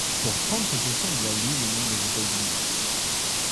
Pour prendre possession de la Lune au nom des États-Unis !